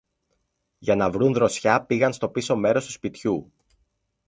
Για να βρουν δροσιά, πήγαν στο πίσω μέρος του σπιτιού